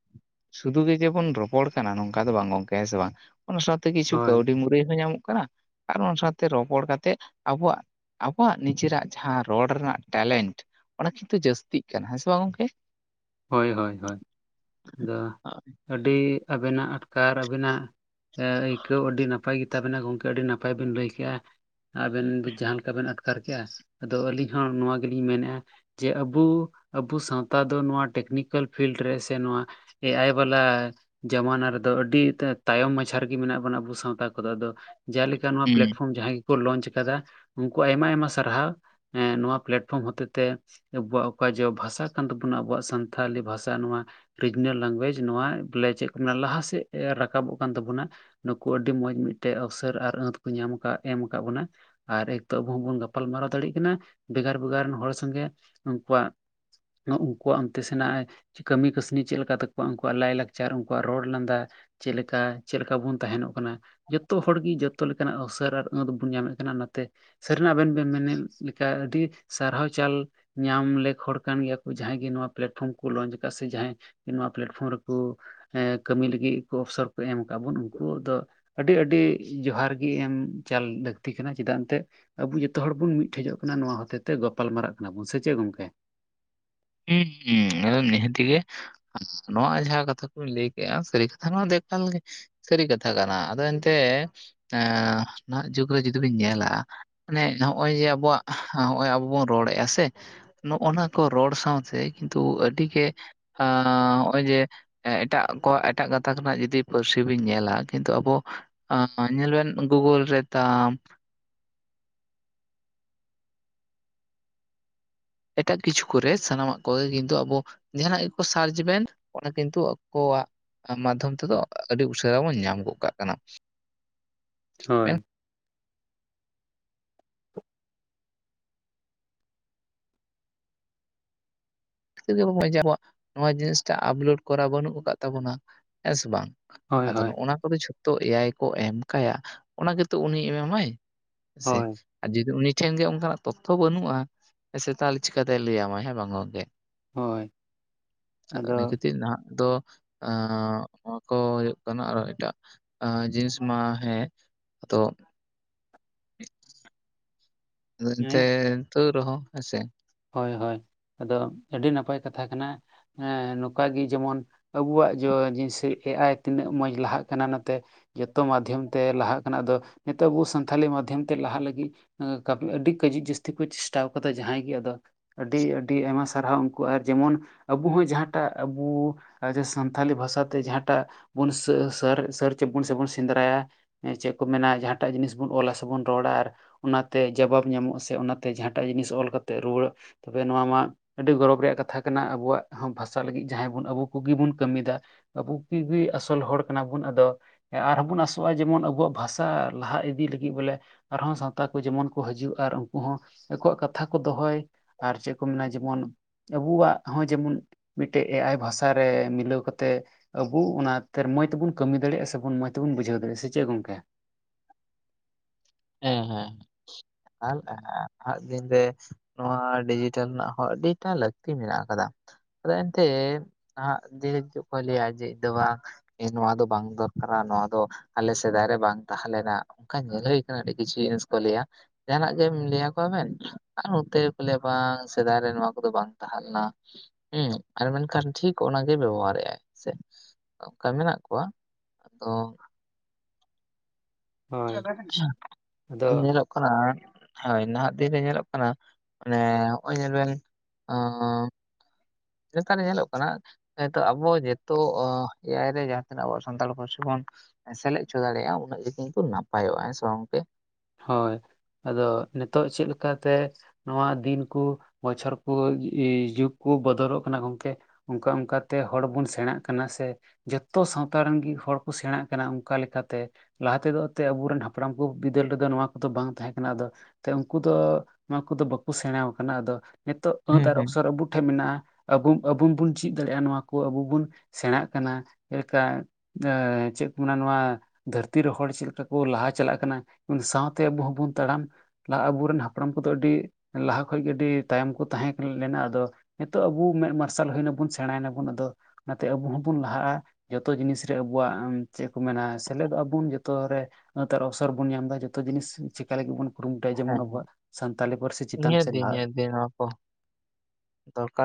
ᱥᱩᱫᱩ ᱜᱮ ᱡᱮᱢᱚᱱ ᱨᱚᱯᱚᱲ ᱠᱟᱱᱟ ᱱᱚᱝᱠᱟ ᱫᱚ ᱵᱟᱝ ᱜᱚᱝᱠᱮ ᱦᱮᱸ ᱥᱮ ᱵᱟᱝ ᱚᱱᱟ ᱥᱟᱶᱛᱮ ᱠᱤᱪᱷᱩᱠ ᱦᱳᱭ ᱠᱟᱹᱣᱰᱤ ᱢᱩᱼᱼᱼ ᱞᱟᱹᱭ ᱦᱚᱸ ᱧᱟᱢᱚᱜ ᱠᱟᱱᱟ ᱟᱨ ᱚᱱᱟ ᱥᱟᱶᱛᱮ ᱨᱚᱯᱚᱲ ᱠᱟᱛᱮ ᱟᱵᱚᱣᱟᱜᱼᱼᱼ ᱟᱵᱚᱣᱟᱜ ᱱᱤᱡᱮᱨᱟᱜ ᱡᱟᱦᱟᱸ ᱨᱚᱲ ᱨᱮᱱᱟᱜ ᱴᱮᱞᱮᱱᱴᱼᱼᱼ ᱚᱱᱟ ᱠᱤᱱᱛᱩ ᱡᱟᱹᱥᱛᱤᱜ ᱠᱟᱱᱟ ᱦᱮᱸ ᱥᱮ ᱵᱟᱝ ᱜᱚᱝᱠᱮ? ᱦᱳᱭ ᱦᱳᱭ ᱦᱳᱭ ᱟᱫᱚ ᱟᱹᱰᱤ ᱟᱵᱤᱱᱟᱜ ᱟᱴᱠᱟᱨ ᱟᱹᱵᱤᱱᱟᱜᱼᱼᱼ ᱟᱹᱭᱠᱟᱹᱣ ᱟᱹᱰᱤ ᱱᱟᱯᱟᱭ ᱜᱮ ᱛᱟᱵᱤᱱᱟ ᱜᱚᱝᱠᱮ ᱟᱹᱰᱤ ᱱᱟᱯᱟᱭ ᱵᱤᱱ ᱞᱟᱹᱭ ᱠᱮᱜᱼᱟ᱾ ᱟᱵᱮᱱ ᱡᱟᱦᱟᱸ ᱞᱮᱠᱟ ᱵᱤᱱ ᱟᱴᱠᱟᱨ ᱠᱮᱜᱼᱟ ᱟᱫᱚ ᱟᱹᱞᱤᱧ ᱦᱚᱸ ᱱᱚᱣᱟ ᱜᱮᱞᱤᱧ ᱢᱮᱱᱮᱫᱼᱟᱼᱼᱼ ᱡᱮ ᱟᱵᱚ ᱟᱵᱚ ᱥᱟᱶᱛᱟ ᱫᱚ ᱱᱚᱣᱟ ᱴᱮᱠᱱᱤᱠᱟ. ᱞ ᱯᱷᱤᱞᱰ ᱨᱮ ᱥᱮ ᱱᱚᱣᱟᱼᱼᱼ ᱮᱭᱟᱭ ᱵᱟᱞᱟ? ᱡᱟᱢᱟᱱᱟ ᱨᱮᱫᱚ ᱟᱹᱰᱤ ᱛᱟᱭᱚᱢ ᱢᱟᱪᱷᱟ ᱨᱮᱜᱮ ᱢᱮᱱᱟᱜ ᱵᱚ ᱟ ᱥᱟᱶᱛᱟ ᱠᱚᱫᱚ ᱟᱫᱚ ᱡᱮᱠᱟ ᱱᱚᱣᱟ ᱦᱩᱸ ᱯᱞᱟᱴᱯᱷᱚᱨᱚᱢ ᱡᱟᱦᱟᱸ ᱜᱮᱠᱚ ᱞᱚᱪ ᱠᱟᱫᱟ ᱩᱱᱠᱩᱣᱟᱜ ᱟᱭᱢᱟ ᱟᱭᱢᱟ ᱥᱟᱨᱦᱟᱣ᱾ ᱱᱚᱣᱟ ᱯᱞᱟᱴᱯᱷᱚᱨᱚᱢ ᱦᱚᱛᱮᱡᱛᱮ ᱟᱵᱚᱣᱟᱜ ᱚᱠᱟ ᱵᱷᱟᱥᱟ ᱠᱟᱱ ᱛᱟᱵᱚᱱᱟ ᱟᱵᱚᱣᱟᱜ ᱥᱟᱱᱛᱟᱲᱤ ᱵᱷᱟᱥᱟ ᱱᱚᱣᱟ ᱨᱤᱡᱤᱱᱟᱞ ᱞᱮᱝᱜᱩᱭᱮᱡ ᱱᱚᱣᱟ ᱵᱚᱞᱮ ᱪᱮᱫ ᱠᱚ ᱞᱟᱦᱟ ᱥᱮᱫ ᱨᱟᱠᱟᱵᱚᱜ ᱠᱟᱱ ᱛᱟᱵᱚᱱᱟ᱾ ᱱᱩᱠᱩ ᱟᱹᱰᱤ ᱢᱚᱸᱡᱽ ᱢᱤᱫᱴᱮᱱ ᱚᱯᱥᱚᱨ ᱟᱨ ᱟᱹᱛ ᱠᱚ ᱧᱟᱢ ᱠᱟᱫ ᱮᱢ ᱠᱟᱫ ᱵᱚᱱᱟ᱾ ᱟᱨ ᱮᱠ ᱛᱚ ᱟᱵᱚ ᱦᱚᱸᱵᱚᱱ ᱜᱟᱯᱟᱞ ᱢᱟᱨᱟᱨᱟᱣ ᱫᱟᱲᱮᱭᱟᱜ ᱠᱟᱱᱟ ᱵᱷᱮᱜᱟᱨ ᱵᱷᱮᱜᱟᱨ ᱨᱮᱱ ᱦᱚᱲ ᱥᱚᱝᱜᱮ ᱩᱱᱠᱩᱣᱟᱜ ᱩᱱᱠᱩᱣᱟᱜ ᱚᱱᱛᱮ ᱥᱮᱱᱟᱜ ᱠᱟᱹᱢᱤ ᱠᱟᱹᱥᱱᱤ ᱪᱮᱫ ᱞᱮᱠᱟ ᱛᱟᱠᱚᱣᱟ ᱩᱱᱠᱩᱣᱟᱜ ᱞᱟᱭᱼᱞᱟᱠᱪᱟᱨ ᱩᱱᱠᱩᱣᱟᱜ ᱨᱚᱲ ᱞᱟᱸᱫᱟ᱾ ᱪᱮᱫ ᱞᱮᱠᱟ ᱪᱮᱫᱠᱟ ᱵᱚᱱ ᱛᱟᱦᱮᱱᱚᱜ ᱠᱟᱱᱟ? ᱡᱚᱛᱚ ᱦᱚᱲ ᱜᱮ ᱡᱚᱛᱚ ᱞᱮᱠᱟᱱᱟᱜ ᱩᱥᱟᱹᱨ ᱟᱨ ᱟᱹᱛ ᱵᱚᱱ ᱧᱟᱢᱮᱫ ᱠᱟᱱᱟ ᱱᱚᱛᱮ᱾ ᱥᱟᱹᱨᱤᱱᱟᱜ ᱟᱵᱮᱱ ᱵᱮᱱ ᱢᱮᱱᱮᱫ ᱞᱮᱠᱟ ᱟᱹᱰᱤ ᱥᱟᱨᱦᱟᱣ ᱪᱟᱞ ᱧᱟᱢ ᱞᱮᱠ ᱦᱚᱲ ᱠᱟᱱ ᱜᱮᱭᱟ ᱠᱚ ᱡᱟᱦᱟᱸᱭ ᱜᱮ ᱱᱚᱣᱟ ᱯᱞᱟᱴᱯᱷᱚᱨᱚᱢ ᱠᱚ ᱞᱚᱱᱪ ᱠᱟᱫ ᱥᱮ ᱡᱟᱦᱟᱸᱭ ᱱᱚᱣᱟ ᱯᱞᱟᱴᱯᱷᱚᱨᱚᱢ ᱨᱮᱠᱩ ᱮ ᱠᱟᱹᱢᱤ ᱞᱟᱹᱜᱤᱫ ᱚᱯᱥᱚᱨ ᱠᱚ ᱮᱢ ᱠᱟᱫ ᱵᱚᱱ ᱩᱱᱠᱩ ᱫᱚ ᱟᱹᱰᱤ ᱟᱹᱰᱤ ᱡᱚᱦᱟᱨ ᱜᱮ ᱮᱢ ᱪᱟᱞ ᱞᱟᱹᱠᱛᱤ ᱠᱟᱱᱟ ᱪᱮᱫᱟᱜ ᱮᱱᱛᱮᱫ ᱟᱵᱚ ᱡᱚᱛᱚ ᱦᱚᱲ ᱵᱚᱱ ᱢᱤᱫᱴᱷᱮᱡᱚᱜ ᱠᱟᱱᱟ ᱱᱚᱣᱟ ᱦᱚᱛᱮ ᱛᱮ ᱜᱟᱯᱟᱞ ᱢᱟᱨᱟᱜ ᱠᱟᱱᱟ ᱵᱚᱱ ᱥᱮ ᱪᱮᱫ ᱜᱚᱢᱠᱮ? ᱦᱩᱸ ᱦᱩᱸ ᱟᱫᱚ ᱱᱮᱦᱟᱛᱤ ᱜᱮ ᱱᱚᱣᱟ ᱡᱟᱦᱟᱸ ᱠᱟᱛᱷᱟ ᱠᱚᱧ ᱞᱟᱹᱭ ᱠᱮᱫ-ᱟ ᱥᱟᱹᱨᱤ ᱠᱟᱛᱷᱟ ᱱᱚᱣᱟ ᱫᱚ ᱮᱠᱟᱞ ᱜᱮ ᱥᱟᱹᱨᱤ ᱠᱟᱛᱷᱟ ᱠᱟᱱᱟ ᱟᱫᱚ ᱮᱱᱛᱮᱜ ᱮ ᱱᱟᱦᱟᱜ ᱡᱩᱜᱽ ᱨᱮ ᱡᱩᱫᱤ ᱵᱤᱱ ᱧᱮᱞᱟ᱾ ᱢᱟᱱᱮ ᱱᱚᱜ-ᱚᱭ ᱡᱮ ᱟᱵᱚᱣᱟᱜ ᱦᱚᱸᱜ-ᱚᱭ ᱟᱵᱚ ᱵᱚᱱ ᱨᱚᱲᱮᱫ-ᱟ ᱥᱮ ᱱᱚᱜ-ᱚ ᱱᱟ ᱠᱚ ᱨᱚᱲ ᱥᱟᱶᱛᱮ ᱠᱤᱱᱛᱩ ᱟᱹᱰᱤ ᱜᱮ ᱟ ᱱᱚᱜ-ᱚᱭ ᱡᱮ ᱮᱴᱟᱜ ᱠᱚᱣᱟᱜ ᱮᱴᱟᱜ ᱜᱟᱛᱟᱠᱱᱟᱜ ᱡᱚᱫᱤ ᱯᱟᱹᱨᱥᱤ ᱵᱤᱱ ᱧᱮᱞᱟ ᱠᱤᱱᱛᱩ ᱟᱵᱚ ᱧᱮᱞ ᱵᱮᱱ ᱜᱩᱜᱩᱞ ᱨᱮ ᱛᱟᱢ ᱮᱴᱟᱜ ᱠᱤᱪᱷᱩ ᱠᱚᱨᱮ ᱥᱟᱱᱟᱢᱟᱜ ᱠᱚᱜᱮ ᱠᱤᱱᱛᱩ ᱟᱵᱚ ᱡᱟᱦᱟᱱᱟᱜ ᱜᱮᱠᱚ ᱥᱟᱨᱪ ᱵᱮᱮᱱ ᱚᱱᱟ ᱠᱤᱱᱛᱩ ᱟᱠᱚᱣᱟᱜ ᱢᱟᱫᱽᱫᱷᱚᱢ ᱛᱮᱫᱚ ᱟᱹᱰᱤ ᱩᱥᱟᱹᱨᱟ ᱵᱚᱱ ᱧᱟᱢ ᱜᱚᱜ ᱠᱟᱜ ᱠᱟᱱᱟ᱾ ᱢᱮᱱᱠᱷᱟᱱ ᱦᱳᱭ [unintelligible] ᱟᱵᱚ ᱱᱚᱣᱟ ᱡᱤᱱᱤᱥᱴᱟ ᱟᱯᱞᱳᱰ ᱠᱚᱨᱟᱣ ᱵᱟᱹᱱᱩᱜ ᱠᱟᱫ ᱛᱟᱵᱚᱱᱟ ᱦᱮᱸ ᱥᱮ ᱵᱟᱝ? ᱟᱫᱚ ᱱᱚᱜ ᱚᱱᱟ ᱠᱚᱫᱚ ᱡᱷᱚᱛᱚ ᱮᱭᱟᱭ ᱠᱚ ᱮᱢ ᱠᱟᱭᱟ ᱚᱱᱟ ᱜᱮᱛᱚ ᱩᱱᱤ ᱮᱢᱟᱢᱟᱭᱟ᱾ ᱥᱮ ᱟᱨ ᱡᱩᱫᱤ ᱩᱱᱤ ᱴᱷᱮᱱ ᱜᱮ ᱚᱱᱠᱟᱱᱟᱜ ᱛᱚᱛᱛᱷᱚ ᱵᱟᱹᱱᱩᱜ-ᱟ ᱥᱮ ᱛᱟᱦᱚᱞᱮ ᱪᱤᱠᱟᱛᱮ ᱞᱟᱹᱭᱟᱢᱟᱭ ᱦᱮᱸ ᱵᱟᱝ ᱜᱚᱢᱠᱮ᱾ ᱦᱳᱭ ᱟᱫᱚ ᱤᱱᱟ ᱠᱷᱟᱹᱛᱤᱨ ᱱᱟᱦᱟᱜ ᱫᱚ ᱮ ᱱᱚᱣᱟ ᱠᱚ ᱦᱩᱭᱩᱜ ᱠᱟᱱᱟ ᱟᱨᱚ ᱮᱴᱟᱜ ᱡᱤᱱᱤᱥ ᱢᱟ ᱦᱮᱸ ᱛᱚ ᱮᱱᱛ ᱛᱟᱣ ᱨᱮᱦᱚᱸ ᱦᱮᱸᱥᱮ ᱦᱳᱭ ᱦᱳᱭ ᱟᱫᱚ ᱟᱹᱰᱤ ᱱᱟᱯᱟᱭ ᱠᱟᱛᱷᱟ ᱠᱟᱱᱟ ᱱᱚᱝᱠᱟ ᱜᱮ ᱡᱮᱢᱚᱱ ᱟᱵᱚᱣᱟᱜ ᱡᱮ ᱡᱤᱱᱤᱥ ᱮ ᱟᱭ ᱛᱤᱱᱟᱹᱜ ᱢᱚᱡᱽ ᱞᱟᱦᱟᱜ ᱠᱟᱱᱟ ᱱᱚᱛᱮ᱾ ᱡᱚᱛᱚ ᱢᱟᱫᱽᱫᱷᱚᱢ ᱛᱮ ᱞᱟᱦᱟᱜ ᱠᱟᱱᱟ, ᱟᱫᱚ ᱱᱤᱛᱚᱜ ᱟᱵᱚ ᱥᱟᱱᱛᱟᱲᱤ ᱢᱟᱫᱽᱫᱷᱚᱢ ᱛᱮ ᱞᱟᱦᱟᱜ ᱞᱟᱹᱜᱤᱫ ᱟᱹᱰᱤ ᱠᱟᱹᱡᱤᱡ ᱡᱟᱹᱥᱛᱤ ᱠᱚ ᱪᱮᱥᱴᱟ ᱠᱟᱫᱟ ᱡᱟᱦᱟᱸᱭ ᱜᱮ ᱟᱫᱚ ᱟᱹᱰᱤ ᱟᱹᱰᱤ ᱟᱭᱢᱟ ᱥᱟᱨᱦᱟᱣ ᱩᱱᱠᱩ ᱟᱨ ᱡᱮᱢᱚᱱ ᱟᱵᱩ ᱦᱚᱸ ᱡᱟᱦᱟᱸᱴᱟᱜ ᱟᱵᱩ ᱥᱟᱱᱛᱟᱲᱤ ᱵᱷᱟᱥᱟᱛᱮ ᱡᱟᱦᱟᱸᱴᱟᱜ ᱵᱚᱱ ᱥᱟᱨ ᱪᱮᱫᱵᱚᱱ ᱥᱮᱵᱚᱱ ᱥᱮᱸᱫᱽᱨᱟᱭᱟ ᱪᱮᱫ ᱠᱚ ᱢᱮᱱᱟ ᱡᱟᱦᱟᱸᱴᱟᱜ ᱡᱤᱱᱤᱥ ᱵᱚᱱ ᱚᱞᱟ ᱥᱮᱵᱚᱱ ᱨᱚᱲᱟ ᱟᱨ ᱚᱱᱟᱛᱮ ᱡᱟᱚᱵᱵ ᱧᱟᱢᱚᱜᱼᱟ ᱥᱮ ᱚᱱᱟᱛᱮ ᱡᱟᱦᱟᱸᱴᱟᱜ ᱡᱤᱱᱤᱥ ᱚᱞ ᱠᱟᱛᱮᱜ ᱨᱩᱣᱟᱹᱲᱚᱜ ᱛᱚᱵᱮ ᱱᱚᱣᱟ ᱢᱟ᱾ ᱟᱹᱰᱤ ᱜᱚᱨᱚᱵᱽ ᱨᱮᱭᱟᱜ ᱠᱟᱛᱷᱟ ᱠᱟᱱᱟ, ᱟᱵᱚᱣᱟᱜ ᱵᱷᱟᱥᱟ ᱞᱟᱹᱜᱤᱫ ᱡᱟᱦᱟᱸᱭ ᱵᱚᱱ ᱟᱵᱚ ᱠᱚᱜᱮ ᱵᱚᱱ ᱠᱟᱹᱢᱤᱭᱮᱫᱟ᱾ ᱟᱵᱚ ᱠᱚᱜᱮ ᱟᱥᱚᱞ ᱦᱚᱲ ᱠᱟᱱᱟ ᱵᱚᱱ ᱟᱫᱚ᱾ ᱟᱨᱦᱚᱸ ᱵᱚᱱ ᱟᱥᱚᱜᱼᱟ ᱡᱮᱢᱚᱱ ᱟᱵᱚᱣᱟᱜ ᱵᱷᱟᱥᱟ ᱞᱟᱦᱟ ᱤᱫᱤ ᱞᱟᱹᱜᱤᱫ ᱵᱚᱞᱮ᱾ ᱟᱨᱦᱚᱸ ᱥᱟᱶᱛᱟ ᱠᱚ ᱡᱮᱢᱚᱱ ᱠᱚ ᱦᱤᱡᱩᱜᱼᱟ ᱟᱨ ᱩᱱᱠᱩ ᱦᱚᱸ ᱟᱠᱚᱣᱟᱜ ᱠᱟᱛᱷᱟ ᱠᱚ ᱫᱚᱦᱚᱭ᱾ ᱟᱨ ᱪᱮᱫ ᱠᱚ ᱢᱮᱱᱟ ᱡᱮᱢᱚᱱ ᱟᱵᱚᱣᱟᱜ ᱦᱚᱸ ᱡᱮᱢᱚᱱ᱾ ᱢᱤᱫᱴᱮᱡ ᱮ ᱟᱭ ᱵᱷᱟᱥᱟ ᱨᱮ ᱢᱤᱞᱟᱹᱣ ᱠᱟᱛᱮᱜ᱾ ᱟᱵᱚ ᱚᱱᱟ ᱛᱮᱨ ᱢᱚᱡ ᱛᱮ ᱠᱟᱹᱢᱤ ᱫᱟᱲᱮᱭᱟᱜᱼᱟ ᱥᱮᱵᱚᱱ ᱢᱚᱸᱡᱽ ᱛᱮᱵᱚᱱ ᱵᱩᱡᱷᱟᱹᱣ ᱫᱟᱲᱮᱭᱟᱜᱼᱟ ᱥᱮ ᱪᱮᱫ ᱜᱚᱝᱠᱮ? [unintelligible] ᱟᱞ ᱟᱸ ᱧᱤᱫᱟᱹ᱾ ᱱᱚᱣᱟ ᱰᱤᱡᱤᱴᱮᱞ ᱨᱮᱱᱟᱜ ᱦᱚᱸ ᱟᱹᱰᱤᱴᱟ ᱞᱟᱹᱠᱛᱤ ᱢᱮᱱᱟᱜ ᱟᱠᱟᱫᱟ᱾ ᱟᱫᱚ ᱮᱱᱛᱮ ᱱᱟᱜ ᱫᱤ ᱦᱩᱜ ᱠᱚ ᱞᱟᱹᱭᱟ ᱡᱮ ᱤᱧ ᱫᱚ ᱵᱟᱝ᱾ ᱱᱚᱣᱟ ᱫᱚ ᱵᱟᱝ ᱫᱚᱨᱠᱟᱨᱟ ᱱᱚᱣᱟ ᱫᱚ ᱟᱞᱮ ᱥᱮᱫᱟᱭ ᱨᱮ ᱵᱟᱝ ᱛᱟᱦᱮᱸ ᱞᱮᱱᱟ ᱚᱱᱠᱟ ᱧᱮᱞ᱾ ᱟᱹᱰᱤ ᱠᱤᱪᱷᱩ ᱡᱤᱱᱤᱥ ᱠᱚ ᱞᱟᱹᱭᱟ ᱡᱟᱦᱱᱟᱜ ᱜᱮᱢ ᱞᱟᱹᱭᱼᱟ ᱠᱚᱣᱟ ᱵᱮᱱ᱾ ᱟᱨ ᱱᱚᱛᱮ ᱠᱚ ᱞᱟᱹᱭ ᱟ ᱵᱟᱝ ᱥᱮᱫᱟᱭ ᱨᱮ ᱱᱚᱣᱟ ᱠᱚᱫᱚ ᱵᱟᱝ ᱛᱟᱦᱮᱸ ᱞᱮᱱᱟ᱾ ᱦᱩᱸ ᱟᱨ ᱢᱮᱱᱠᱷᱟᱱ ᱴᱷᱤᱠ ᱚᱱᱟᱜᱮ ᱵᱮᱵᱚᱦᱟᱨ ᱮᱟᱭ ᱥᱮ᱾ ᱚᱱᱠᱟ ᱢᱮᱱᱟᱜ ᱠᱚᱣᱟ ᱛᱚ᱾ ᱦᱳᱭ ᱟᱫᱚ ᱧᱮᱞᱚᱜ ᱠᱟᱱᱟ ᱦᱳᱭ ᱱᱟᱦᱟᱜ ᱫᱤᱱ ᱨᱮ ᱧᱮᱞᱚᱜ ᱠᱟᱱᱟ᱾ ᱢᱟᱱᱮ ᱱᱚᱜ ᱚᱭ ᱧᱮᱞ ᱵᱮᱱ ᱚᱸ᱾ ᱱᱮᱛᱟᱨ ᱧᱮᱞᱚᱜ ᱠᱟᱱᱟ᱾ ᱡᱮᱸᱛᱚ ᱟᱵᱚ ᱡᱤᱛᱚᱜ ᱮᱟᱭ ᱨᱮ ᱡᱟᱦᱟᱸ ᱛᱤᱱᱟᱹᱜ ᱟᱵᱚ ᱥᱟᱱᱛᱟᱲ ᱯᱟᱹᱨᱥᱤ ᱵᱚᱱ᱾ ᱥᱮᱞᱮᱫ ᱦᱚᱪᱚ ᱫᱟᱲᱮᱭᱟᱜᱼᱟ ᱩᱱᱟᱹᱜ ᱠᱤᱱᱛᱩ ᱱᱟᱯᱟᱭᱚᱜᱼᱟ ᱦᱮᱸ ᱜᱚᱝᱠᱮ᱾ ᱦᱳᱭ ᱟᱫᱚ ᱱᱤᱛᱚᱜ ᱪᱮᱫ ᱞᱮᱠᱟᱛᱮ᱾ ᱱᱚᱣᱟ ᱫᱤᱱ ᱠᱚ ᱵᱚᱪᱷᱚᱨ ᱠᱚ ᱡᱩᱜ ᱠᱚ ᱵᱚᱫᱚᱞᱚᱜ ᱠᱟᱱᱟ ᱜᱚᱝᱠᱮ᱾ ᱚᱱᱠᱟ ᱚᱱᱠᱟ ᱛᱮ ᱦᱚᱲ ᱵᱚᱱ ᱥᱮᱬᱟᱜ ᱠᱟᱱᱟ ᱥᱮ᱾ ᱡᱚᱛᱚ ᱥᱟᱶᱛᱟ ᱨᱮᱱ ᱦᱚᱲ ᱠᱚ ᱥᱮᱬᱟᱜ ᱠᱟᱱᱟ ᱚᱱᱠᱟ ᱞᱮᱠᱟᱛᱮ᱾ ᱞᱟᱦᱟ ᱛᱮᱫᱚ ᱮᱱ ᱟᱵᱚᱨᱮᱱ ᱦᱟᱯᱲᱟᱢ ᱠᱚ᱾ ᱵᱤᱹᱫᱟᱞ ᱨᱮᱫᱚ ᱱᱚᱣᱟ ᱠᱚᱫᱚ ᱵᱟᱝ ᱛᱟᱦᱮᱸ ᱠᱟᱱᱟ ᱟᱫᱚ, ᱩᱱᱠᱩ ᱫᱚ ᱱᱚᱣᱟ ᱠᱚᱫᱚ ᱵᱟᱠᱚ ᱥᱮᱬᱟ ᱠᱟᱱᱟ ᱟᱫᱚ᱾ ᱱᱤᱛᱚᱜ ᱟᱹᱛ ᱦᱮᱸ ᱟᱨ ᱦᱮᱸ ᱚᱵᱥᱚᱨ ᱟᱵᱩ ᱴᱷᱮᱱ ᱢᱮᱱᱟᱜᱼᱟ᱾ ᱟᱵ ᱟᱵᱩ ᱵᱩᱱ ᱪᱮᱫ ᱫᱟᱲᱮᱭᱟᱜᱼᱟ ᱱᱚᱣᱟ ᱠᱚ ᱟᱵᱚ ᱵᱚᱱ ᱥᱮᱬᱟᱜ ᱠᱟᱱᱟ ᱡᱮᱞᱮᱠᱟ᱾ ᱮᱸ ᱪᱮᱫ ᱠᱚ ᱢᱮᱱᱟ ᱱᱚᱣᱟ ᱫᱷᱟᱹᱨᱛᱤ ᱨᱮ ᱦᱚᱲ ᱪᱮᱫ ᱞᱮᱠᱟ ᱠᱚ ᱞᱟᱦᱟ ᱪᱟᱞᱟᱜ ᱠᱟᱱᱟ᱾ ᱥᱟᱶᱛᱮ ᱟᱵᱚ ᱦᱚᱸᱵᱚᱱ ᱛᱟᱲᱟᱢ᱾ ᱟᱵᱚᱨᱮᱱ ᱦᱟᱯᱲᱟᱢ ᱠᱚᱫᱚ ᱟᱹᱰᱤ ᱞᱟᱦᱟ ᱠᱷᱚᱡ ᱜᱮ ᱟᱹᱰᱤ ᱛᱟᱭᱚᱢ ᱠᱚ ᱛᱟᱦᱮᱸ ᱞᱮᱱᱟ ᱟᱫᱚ᱾ ᱱᱤᱛᱚᱜ ᱟᱵᱚ ᱢᱮᱫ ᱢᱟᱨᱥᱟᱞ ᱦᱩᱭ ᱱᱟᱵᱚᱱ ᱥᱮᱬᱟᱭ ᱱᱟᱵᱚᱱ ᱟᱫᱚ, ᱚᱱᱟᱛᱮ ᱟᱵᱚ ᱦᱚᱸᱵᱚᱱ ᱞᱟᱦᱟᱜ-ᱟ᱾ ᱡᱚᱛᱚ ᱡᱤᱱᱤᱥ ᱨᱮ ᱟᱵᱚᱣᱟᱜ ᱪᱮᱫ ᱠᱚ ᱢᱮᱱᱟ ᱥᱮᱞᱮᱫᱚᱜᱼᱟ ᱵᱚᱱ ᱡᱚᱛᱚ ᱟᱹᱛ ᱟᱨ ᱚᱵᱥᱚᱨ ᱵᱚᱱ ᱧᱟᱢ ᱫᱟ᱾ ᱡᱚᱛᱚ ᱡᱤᱱᱤᱥ ᱪᱤᱠᱟ ᱞᱟᱹᱜᱤᱫ ᱵᱚᱱ ᱠᱩᱨᱩᱢᱩᱴᱩᱭᱟ ᱡᱮᱢᱚᱱ ᱦᱮᱸ ᱟᱵᱚᱣᱟᱜ ᱥᱟᱱᱛᱟᱞᱤ ᱯᱟᱹᱨᱥᱤ ᱦᱮᱸ ᱪᱮᱛᱟᱱ ᱱᱤᱦᱟᱹᱛ ᱥᱮ ᱞᱟᱦᱟ᱾ [unintelligible] ᱫᱚᱨᱠᱟᱨ